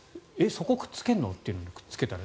そこをくっつけるの？っていうのをくっつけたり。